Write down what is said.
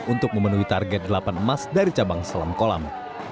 untuk memenuhi target delapan emas dari cabang selam kolam